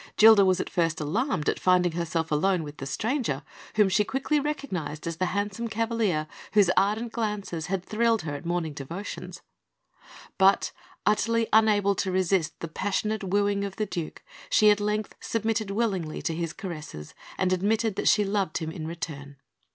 Gilda was at first alarmed at finding herself alone with the stranger, whom she quickly recognised as the handsome cavalier whose ardent glances had thrilled her at her morning devotions; but, utterly unable to resist the passionate wooing of the Duke, she at length submitted willingly to his caresses, and admitted that she loved him in return.